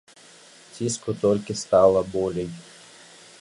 Ціску толькі стала болей.